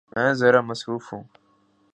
میں ذرا مصروف ہوں۔